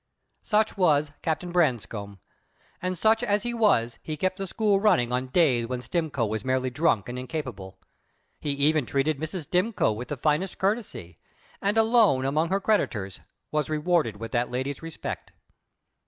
Such was Captain Branscome: and, such as he was, he kept the school running on days when Stimcoe was merely drunk and incapable. He ever treated Mrs. Stimcoe with the finest courtesy, and, alone among her creditors, was rewarded with that lady's respect.